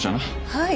はい。